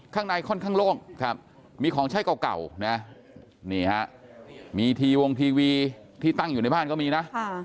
ข้างในค่อนข้างโล่งครับมีของใช้เก่านะนี่ฮะมีทีวงทีวีที่ตั้งอยู่ในบ้านก็มีนะ